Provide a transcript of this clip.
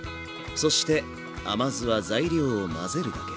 そして甘酢は材料を混ぜるだけ。